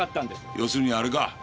要するにあれか。